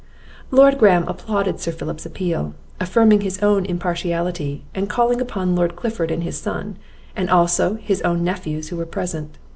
Lord Graham applauded Sir Philip's appeal, affirming his own impartiality, and calling upon Lord Clifford and his son, and also his own nephews who were present.